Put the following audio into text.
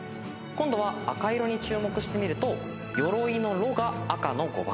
今度は赤色に注目してみると鎧の「ロ」が赤の５番。